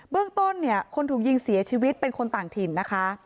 เรื่องต้นเนี่ยคนถูกยิงเสียชีวิตเป็นคนต่างถิ่นนะคะ